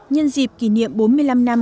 nhân dịp kỷ niệm bốn mươi năm năm